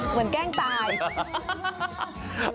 เหมือนแกล้งตาย